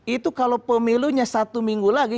itu kalau pemilunya satu minggu lagi